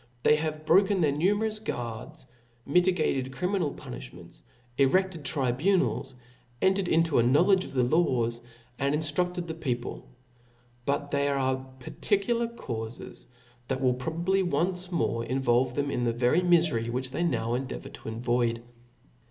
| They have broke their numerous guards, mietgated .( criminal puniihments, ereAed tribunals, entered into H knowledge of the laws, and inftruftcd the people. But there £ire particular caufes that will probably once more involve them in the very mifcry which they now endeavour to avoid.